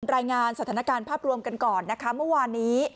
รายงานสถานการณ์ภาพรวมกันก่อนนะคะเมื่อวานนี้